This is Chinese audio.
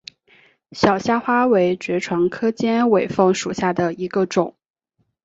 小虾花为爵床科尖尾凤属下的一个种。